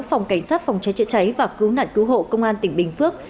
phòng cảnh sát phòng cháy chữa cháy và cứu nạn cứu hộ công an tỉnh bình phước